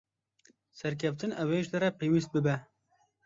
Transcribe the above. Serkeftin ew ê ji te re pêwîst bibe.